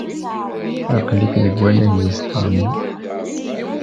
Aql-ik deg wannag wis ṭam.